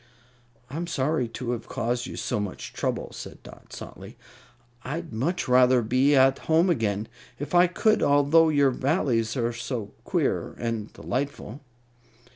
"I'm sorry to have caused you so much trouble," said Dot, softly. "I'd much rather be at home again, if I could, although your Valleys are so queer and delightful."